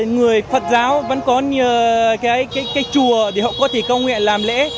người phật giáo vẫn có cái chùa để họ có thể công nghệ làm lễ